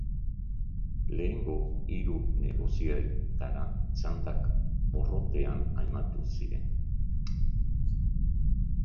Lehengo hiru negoziaketa txandak porrotean amaitu ziren.